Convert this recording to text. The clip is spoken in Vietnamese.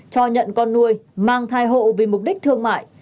cho nhận con nuôi mang thai hộ vì mục đích thương mại